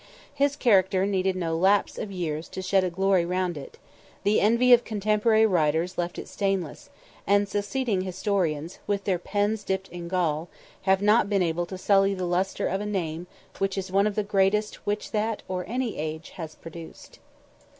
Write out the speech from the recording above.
His character needed no lapse of years to shed a glory round it; the envy of contemporary writers left it stainless, and succeeding historians, with their pens dipped in gall, have not been able to sully the lustre of a name which is one of the greatest which that or any age has produced.